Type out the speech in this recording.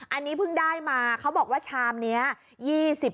อันนี้เพิ่งได้มาเขาบอกว่าชามนี้